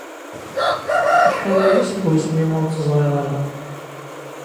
Acḥal aya seg wasmi ur t-ẓriɣ ara.